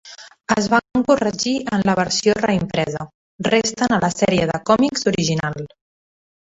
Es van corregir en la versió reimpresa, resten a la serie de còmics original.